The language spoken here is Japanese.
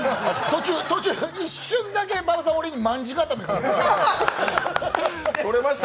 途中、一瞬だけ馬場さん、俺に卍固めしました。